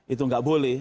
itu nggak boleh